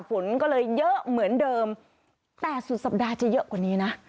ฝนก็เลยเยอะเหมือนเดิมแต่สุดสัปดาห์จะเยอะกว่านี้นะ